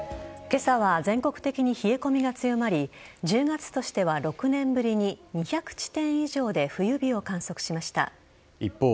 今朝は全国的に冷え込みが強まり１０月としては６年ぶりに２００地点以上で一方